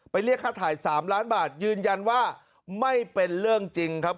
เรียกค่าถ่าย๓ล้านบาทยืนยันว่าไม่เป็นเรื่องจริงครับ